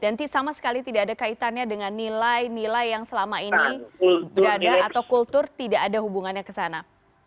dan sama sekali tidak ada kaitannya dengan nilai nilai yang selama ini berada atau kultur tidak ada hubungannya kesana